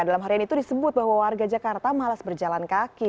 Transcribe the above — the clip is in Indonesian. dalam harian itu disebut bahwa warga jakarta malas berjalan kaki